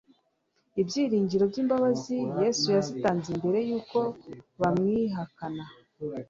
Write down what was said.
Ibyiringiro by'imbabazi, Yesu yazitanze mbere yuko bamwihakana.